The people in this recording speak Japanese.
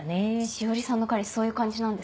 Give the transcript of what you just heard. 志織さんの彼氏そういう感じなんですか？